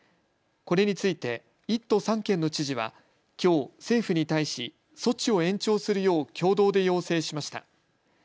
これについて１都３県の知事はきょう政府に対し措置を延長するよう共同で要請しました。